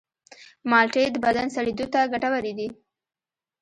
مالټې د بدن سړېدو ته ګټورې دي.